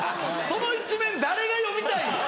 その１面誰が読みたいです？